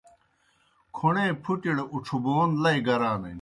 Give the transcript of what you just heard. کھوْݨے پُھٹِیْڑ اُڇھبون لئی گرانِن۔